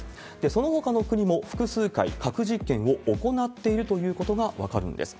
そのほかの国も、複数回核実験を行っているということが分かるんです。